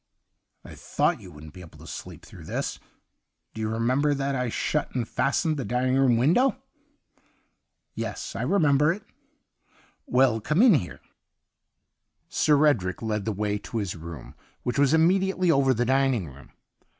' I thought you wouldn't be able to sleep through this. Do you remember that I shut and fastened the dining room window ?' 'Yes, I remember it.' •^ Well, come in here.' Sir Edric led the way to his room, which was immediately over the dining room.